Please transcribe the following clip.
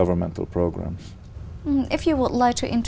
về đường long biên